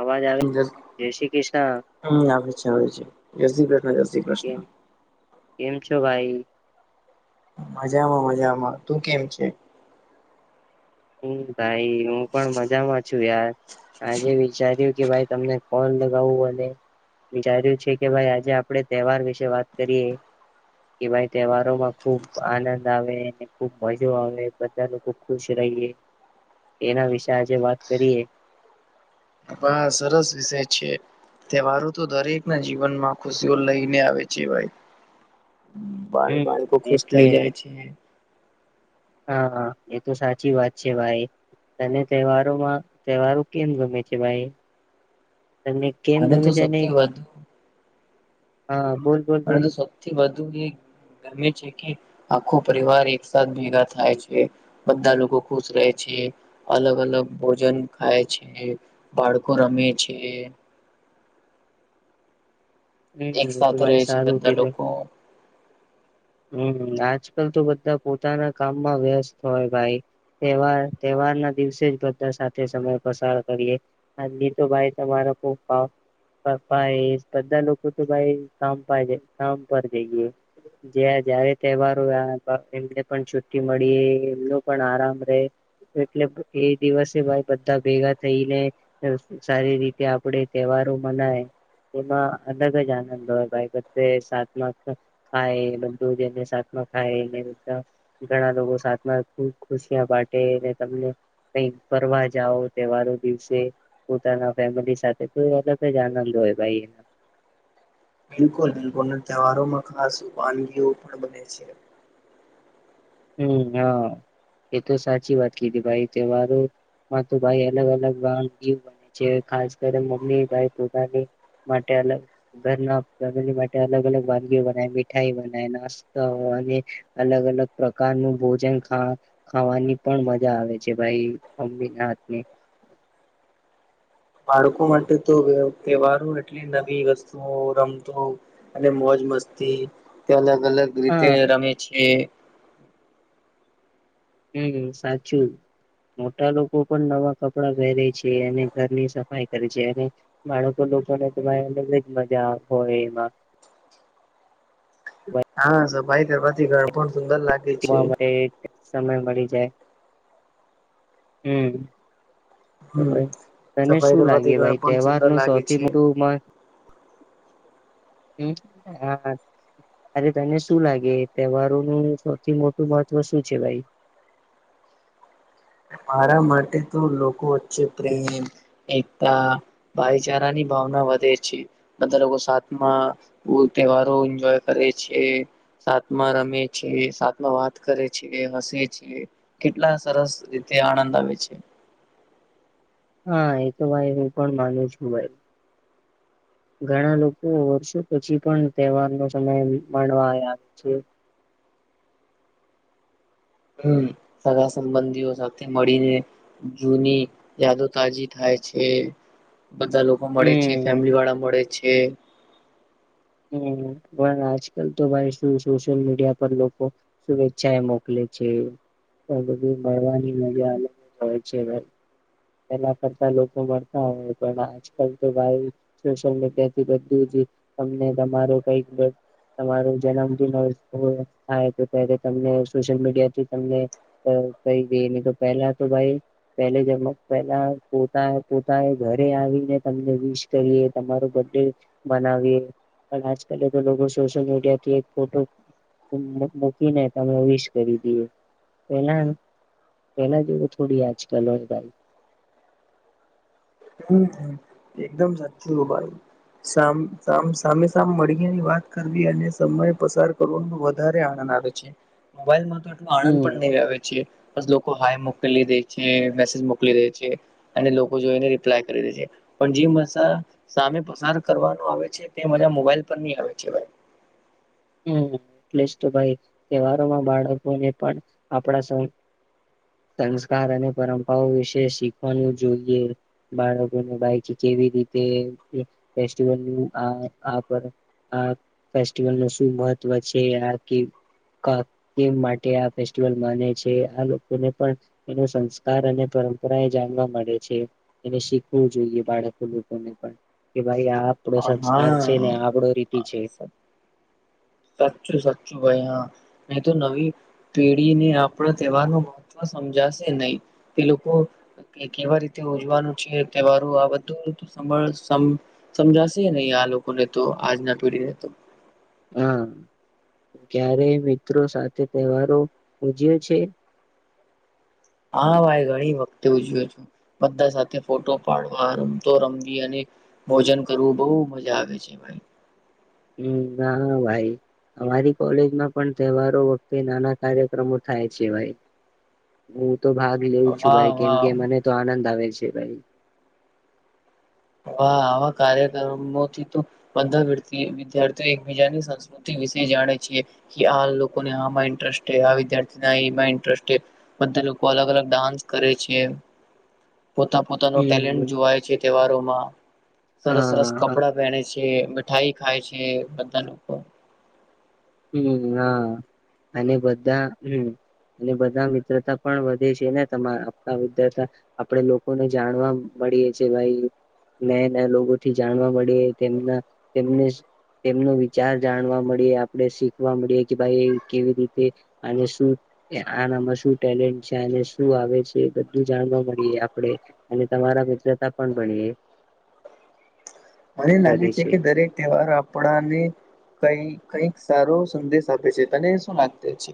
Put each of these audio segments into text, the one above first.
અવાજ આવે જય શ્રી કૃષ્ણ. હમ્મ આવે છે હો છે જય કૃષ્ણ જય કૃષ્ણ કેમ કેમ છો? ભાઈ મજામાં મજામાં. તું કેમ છે? હમ્મ ભાઈ હું પણ મજામાં છું યાર. આજે વિચાર્યું કે ભાઈ તમને કોલ લગાવું અને વિચાર્યું છે કે ભાઈ આજે આપડે તહેવાર વિશે વાત કરીએ કે ભાઈ તહેવારોમાં ખુબ આનંદ આવે ખુબ મજો આવે બધા લોકો ખુશ રહીએ એના વિશે આજે વાત કરીએ હા સરસ વિષય છે. તહેવારો તો દરેક ના જીવનમાં ખુશીઓ લઈને આવે છે. બાળ હમ બાળકો ખુશ એટલે થઈ જ. જાય છે. હા હા એ તો સાચી વાત છે ભાઈ તને તહેવારોમાં તહેવારો કેમ ગમે છે ભાઈ? [inaudible] તમને કેમ મને ગમે તો છે અને સૌથી વધુ હા. બોલ બોલ બોલ પરતું સૌથી વધુ એ ગમે છે કે આખો પરિવાર એકસાથ ભેગા થાય છે. બધા લોકો ખુશ ર હે છે. અલગ અલગ ભોજન ખાય છે બાળકો રમે છે. એક હમ્મ તો સાથે રહે ભાઈ છે સારું બધા કીધું. લોકો હમ્મ આજ કાલ તો બધા પોતાના કામમાં વ્યસ્ત હોય ભાઈ તેવાર તહેવાર ના દિવસે જ બધા સાથે સમય પસાર કરીએ આજની તો ભાઈ તમારો [unintelligible] બધા લોકો તો ભાઈ કામ પર કામ પર જઈએ. જ્યા જયારે તહેવારો એમને પણ છુ્ટી મળી એમનો પણ આરામ રહે. એટલે એ દિવસે ભાઈ બધા ભેગા થઈને સારી રીતે આપડે તહેવાર મનાય તેમાં અલગ જ આનંદ હોય ભાઈ બધે સાતમાં ખાય બધું જેને સાતમાં ખાય ઘણા લોકો સાતમાં ખુબ ખુશિયા બાટે તમને કઈક ફરવા જાવ તહેવારો દિવસે પોતાના ફેમિલી સાથે અલગ જ આનંદ હોય ભાઈ. બિલકુલ બિલકુલ ના તહેવારોમાં ખાસ વાનગીઓ પણ બને છે. હમ્મ હા એતો સાચી વાત કીધી ભાઈ તહેવારો માં તો ભાઈ અલગ અલગ વાનગીઓ બને છે, ખાસ કરી મમ્મી ભાઈ પોતાાની માટે અલગ ઘરના ફેમિલી માટે અલગ અલગ વાનગી બનાય મીઠાઈ બનાય નાસ્તા અને અલગ અલગ પ્રકારનું ભોજના ખાવા ખાવાની પણ મજા આવે છે ભાઈ અમ્મી ના હાથની. [inaudible] બાળકો માટે તો તહેવારો એટલી નવી વસ્તુઓ રમતો અને મોજ મસ્તી તે અલગ- અલગ રીતે હા રમે છે. હમ સાચું. મોટા લોકો પણ નવા કપડા પહેરે છે અને ઘરની સફાઈ કરે છે અને બાળકો લોકોને ભાઈ અલગ જ મજા હોય એમાં. [inaudible] હા સફાઈ કરવાથી ઘર પણ સુંદર લાગે છે. રમવા માટે સમય મળી જાય હમ. ભ હમ તને સફાઈ શું કરવાથી લાગે ઘર ભાઈ પણ તહેવાર સુંદર ન લાગે સૌથી છે. મોટું હ હા. અરે તને શું લાગે તહેવારોનું સૌથી મોટું મહત્વ શું છે ભાઈ? [inaudible] મારા માટે તો લોકો વચ્ચે પ્રેમ એકતા ભાઈચારાની ભાવના. વધે છે બધા લોકો સામાં તહેવારો એન્જય કરે છે. સાતમાં રમે છે સાતમાં વાત કરે છે હસે છે કેટલા સરસ રીતે તે આનંદ આવે છે. હા એ તો ભાઈ હું પણ માનું છું ભાઈ. હ. ઘણા લોકો વર્ષો પછી પણ તહેવાર નો સમય માણવા આવે છે. [inaudible] હમ સગા સંબંધીઓ સાથે મળીને જૂની યાદો તાજી થાય. બધા લોકો મળે છે હમ ફેમિલી વાળા મળે છે. હમ પણ આજ કાલ તો ભાઈ શું સોશિયલ મીડિયા પર લોકો શુભેચ્છાએ મોકલે. હોય છે તો એ બધી મળવાની મજા અલગ જ હોય છે. પેલા કરતા લોકો મળતા હોય પણ આજકાલ તો ભાઈ સોશિયલ મીડિયા થી બધું જ તમને તમારો કઈક તમારો જન્મદિન થાય તો ત્યારે તમને સોશિયલ મીડિયાથી તમને કઈ નહી તો પહેલા તો ભાઈ પહેલે જ પેલા પોતા પોતાએ ઘરે આવીને તમને વિશ કરી તમારો બર્ ડે. પણ આજકાલે તો લોકો સોશિયલ મીડિયાથી એક ફોટો મૂકીને તમે વિશ કરી દઈએ પેલામ પેલા જોવ થોડી આજકાલ હોગારી. હમ એકદમ સાચી ગબાઈ. સા સામે -સામે મળી ની વાત કરવી અને સમય પસાર કરનો વધારે આનંદ. છે મોબાઈલમાં તોટલો આનંદ ભાઈ હમ પણ નહી આવે છે. બસ લોકો હાય મોકલી દે છે મેસેજ મોકલી દે છે અને લોકો જોઈને ય કરીે પણ જે મા સામે પસાર કરવાનું આવે છે તે મજા મોબાઈલ પર ન આવે છે. હ [inaudible] હમ એટલે જ તો ભાઈ તહેવારોમાં બાળકોને પણ આપડા સ સંસ્કાર અને પરંપરાઓ વિશે શીખવાનું જોઈએ. બાળકોને બાકી કેવી રીતે ફેિવલ આ ફેસ્ટિવલ ન શું મહત્વ છે આ માટે આ ફ માને છે આ લોકોને પણ એનો સંસ્કાર અને પરંપરા એ જાણવા મળે છે એને શીખવું જોઈએ બાળકો લોકોને પણ કે ભાઈ આપડો સંસ્કાર છે ને હા આપડો રીતિ છે. સાચું- સાચું ભાઈ હા નહી તો નવી પેઢીને આપણા તહેવાર ન મહત્વ સમજાશે નહી તે લોકો કે કેવા રીતે ઉજવાનું છે તહેવારો આ બધુંળ સમજાશે લોકોને તો આજના પેઢીને તો. હા ક્યારે મિત્રો સાથે તહેવારો ઉજ્યો છે? [inaudible] હા ભાઈ ઘણી વખતે ઉજ્યો છું બધા સાથે ફોટો પાડવા રમતો રમવી અને. ભોજન કરવું બહુ મજા આવે છે ભાઈ. હમ હા ભાઈ. અમારી કોલેજમાં પણ તહેવારો વખતે નાના કાર્યક્રમો થાય છે ભાઈ. હમ. તો ભાગ લેઉ છું વાહ ભાઈ કેમ વાહ કે મને તો આનંદ આવે છે ભાઈ. હ આવા કાર્યક્રમોથી તો બધા વ્યક્તિએ વિદ્યાર્થીઓ એકબીજાની સંસ્કૃતિ. વિશે જાણીએ છીએ આ લોકોને આમાં ઇન્ટરેસ્ટે આવે ત્યારથી ના એ એમાં ઇન્ટરેસ્ટે લોકો અલગ અલગ ડાન્સ કરે છે. પોતા પોતાનો ટેલેન્ટ હમ જોવાય છે તહેવારોમાં સરસ સરસ હા હા કપડા પહેરે છે. મીઠાઈ ખાય છે, ‌ બધા લોકો. હમ હા અને બધા હમ. અને બધા મિત્રતા પણ વધે છે, ને તમા આપણા વિદ્યાદા આપડે લોકોને જાણવા મળીએ છે ભાઈ નયા નયા લોકો થી જાણવા મળી તેમના તેમને. તેમનો વિચાર જાણવા મળી આપડે શીખવા મળીએ કે ભાઈ કેવી રીતે અને શું એના આનામાં શું ટેલેન્ટ છે. શું આવે છે, બધું જાણવા મળીએ આપણે અને તમારા મિત્રતા પણ ભણીએ. [inaudible] મને લાગે છે કે દરેક તહેવાર આપણાને કઈ. કઈક સારો સંદેશ આપે છે તને શું લાગતે છે.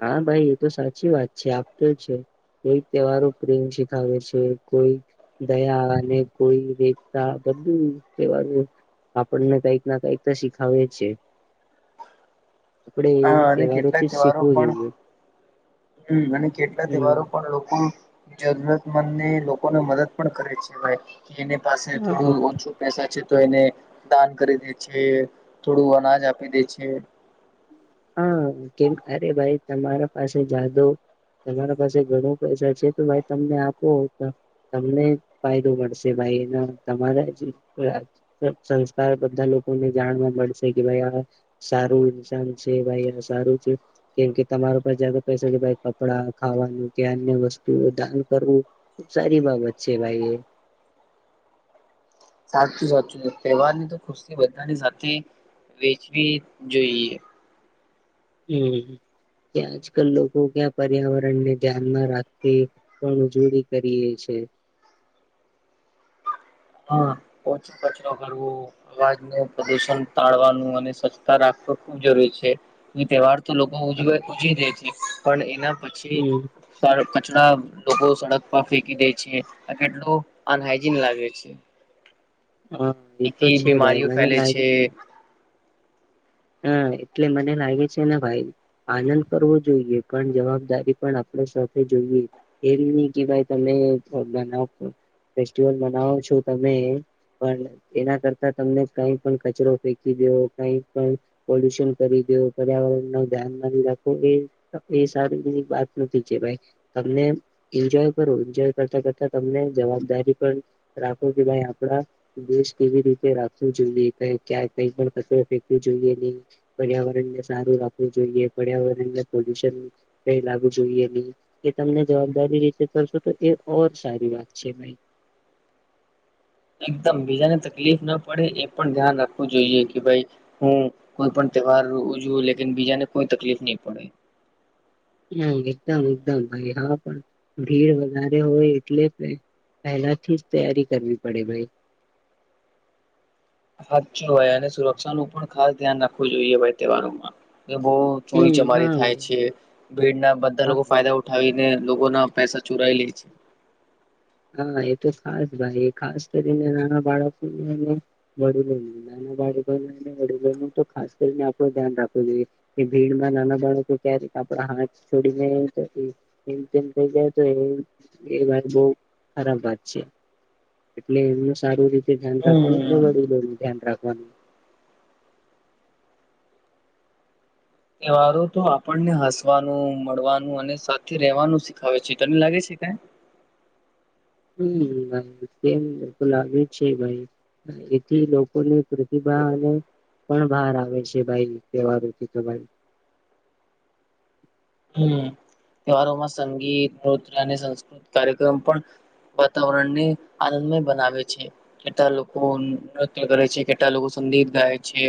હા ભાઈ એ તો સાચી વાત છે આપતો છે. કોઈ તહેવારો પ્રેમ શીખાવે છે કોઈ દયાને કોઇ એકતા. બધુ તહેવાર ઓએ આપણને કઈક ના કઈક શીખાવે છે. [inaudible] આપણેે હા એ અને કેટલાક તહેવારોથી જ તહેવારો શીખવું પણ જોઈએ. હમ અને કેટલા હમ તહેવારો પણ લોકો. જરૂરતમંદ ને લોકોને મદદ પણ કરે છે ભાઈ. કે એની પાસે હા થોડું ઓછું પેસા છે. તો એને દાન કરી દે છે, થોડું અનાજ આપી દે છે, હા કેમ અરે ભાઈ તમારા પાસે જાદો તમારા પાસે ઘણો પૈસા છે, તો ભાઈ તમને આપો તમને ફાયદો મળશે ભાઈ આઈના તમારા અ આ સંસ્કાર બધા લોકોને જાણવા મળશે કે ભાઈ આ સારું સારું. છે ભાઈ સારું છે, કેમ કે તમારો જ્યાદા પૈસા કપડા ખાવાનું ધ્યાનને વસ્ દાન કરવું ખુબ સારી બાબત છે, ભાઈ એ. [inaudible] સાચું સાચું તહેવાર ની તો ખુશી બધાની સાથે વેચવી જોઈએ. હમ. કે આજકાલ લોકો ક્યાં પર્યાવરણને ધ્યાનમાં રાખી પણ ઉજવણી કરીએ છે. હા. ઓછો કચરો કરવો અવાજ નું પ્રદુષણ ટાળવાનું અને સ્વચ્છતા રાખવ ખુબ જરૂરી છે. એ તહેવાર તો લોકો ઉજવે હા ઉજવી દે છે પણ એના પછી હમ સાફ કેટલાક લોકો સડક પર ફેંકી દે છે આ કેટલુ અનહાઈજીન લાગે છે. હા એ એન તો થી છે ભાઈ બીમારીઓ મને ફેલે લાગે છે. હા એટલે મને લાગે છે ને ભાઈ આનંદ કરવો જોઈએ પણ જવાબદારી પણ આપ સાથે જોઈએ એવી નહી કે ભાઈ તમે બનાવો. ફેસ્ટિવલ મનાવો છો તમે. પણ એના કરતા તમને કઈ પણ કચરો ફેંકી દેવ કઈ. પોલ્યુશન કરી દેવું, પર્યાવરણ ને ધ્યાન નઈ રાખો એ એ સારી તમે એન્જોય કરો જેને કરતા કરતા તમને જવાબદારી પણ રાખો કે ભાઈ આપડા દેશ કેવી રીતે રાખવો જોઈએ ક્યાંક કઈ પણ કશુંક બી જોઈએ નઇ, પર્યાવરણ ને સારું રાખવું જોઈએ, પર્યાવરણ ને પોલ્યુશન કઈ લાગુ જોઈએ એ તમને જવાબદારી રીતે કરશો તો એ ઓર સારી વાત છે ભઈ [unintelligible] [inaudible] [inaudible] એકદમ બીજાને તકલીફ ના પડે એ પણ તહેવાર ઉજવુ લેકિન બીજાને કોઈ તકલીફ નહી પડે. હા, એકદમ એકદમ ભાઈ હા પણ ભીડ વધારે હોય, એટલે પહેલાથી જ તૈયારી, કરવી પડે ભાઈ [unintelligible] [inaudible] સાચું હોય, અને સુરક્ષાનુ પણ ખાસ ધ્યાન રાખવું જોઈએ, ભાઈ તહેવારોમા કે બહુ હમ ચોરી ચમારી હા થાય ભાઈ છે, ભીડના બધા હા લોકો ફાયદા ઉઠાવી લોકો ના પૈસા ચોરાય લે છે. હા, એ તો ખાસ ભાઈ એ ખાસ કરીને નાના બાળકો ખાસ કરીને આપણે ધ્યાન રાખવુ જોઈએ, કે ભીડમાં નાના બાળકો ક્યારે આપડા હાથ છોડીને એમ તેમ થઈ, જાય. તો એ વાર બ ખરાબ વાત છે, એટલે એમનું સારુ રીતે ધ્યાન રાખવાનું ને હમ મળી બ ધ્યાન રાખવાનું તહેવારો તો આપણને હસવાનું, મળવાનું અને સાથે રેવાનું શીખાવે છે, તને લાગે છે કઈ [unintelligible] [inaudible] [inaudible] હમ્મ વાત તો તેમ લાગે છે ભાઈ એથી લોકોની પ્રતિભા અને પણ બહાર આવે છે ભાઈ તહેવારથી તો ભાઈ હમ્મ તહેવારોમાં સંગીત, નૃત્ય અને સંસ્કૃત કાર્યક્રમ પણ વાતાવરણને આનંદમય બનાવે છે, કેટલા લોકો નૃત્ય કરે છે, કેટલા લોકો મંદિર ગાય છે,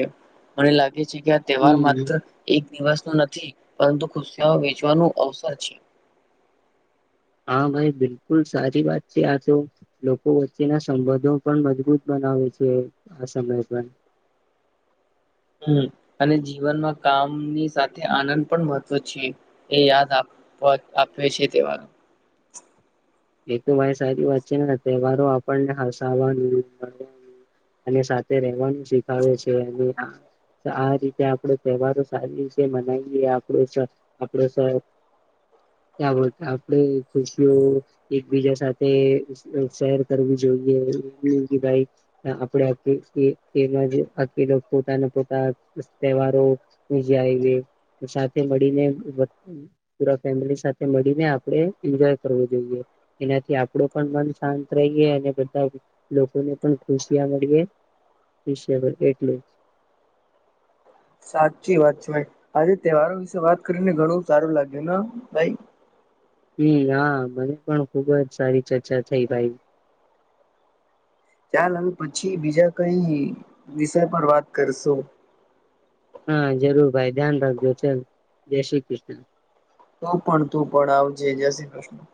મને લાગે કે આ તહેવાર હમ માત્ર એક દિવસનો નથી, પરંતુ ખુશી વેચવાનું અવસર છે. હા, ભાઈ બિલકુલ સારી વાત છે. આ તો લોકો વચ્ચેના સંબંધો પણ મજબૂત બને છે, આ સમય પર [unintelligible] [inaudible] હુ, અને જીવનમા કામની સાથે આનંદ પણ મહત્વ છે. એ યાદ આપ આપ્યો છે, તેવાર એ તો ભાઈ સારી વાત છેને, તહેવારો આપણને હસાવાનુ અને સાથે રહેવાનું શીખાવે છે, અને આ રીતે આપણે તહેવારો, સારી રીતે મનાવીએ આપણે આપણો આપડે ખુશીઓ એકબીજા સાથે શેર કરવી જોઈએ, કે ભાઈ આપડે આ એમાજે, પોતાના પોતા તહેવારો જ આવે સાથે મળીને પુરા ફેમિલી, સાથે મળીને આપણે એન્જોય કરવો જોઈએ એનાથી આપણો, પણ મન શાંત રહીએ અને બધા લોકોને પણ ખુશિયા મળીએ વિષયબ એટલું જ [unintelligible] [inaudible] સાચી વાત છે, ભાઈ આજે તહેવારો વિશે વાત કરીને ઘણું સારું લાગ્યું ને ભાઈ હમ્મ, હા મને પણ ખુબજ સારી ચર્ચા થઈ ભાઈ ચાલ હ પછી, બીજા કઈ વિષય પર વાત કરશુ હા જરૂર ભાઈ ધ્યાન રાખજો, ચલ જય શ્રી કૃષ્ણ તુ પણ તુ પણ આવજે, જય શ્રી કૃષ્ણ